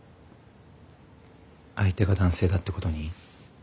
相手が男性だってことに？